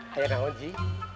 hai rangun ji